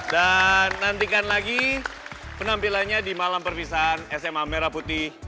dan nantikan lagi penampilannya di malam perpisahan sma merah putih dua ribu enam belas